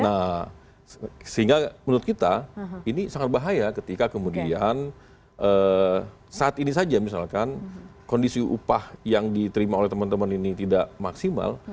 nah sehingga menurut kita ini sangat bahaya ketika kemudian saat ini saja misalkan kondisi upah yang diterima oleh teman teman ini tidak maksimal